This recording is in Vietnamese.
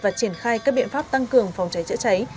và triển khai các biện pháp tăng cường phòng cháy chữa cháy